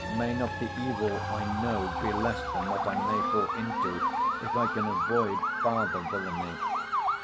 May not the evil I know be less than what I may fall into, if I can avoid farther villany?